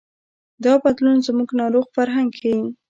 دا بدلون زموږ ناروغ فرهنګ ښيي.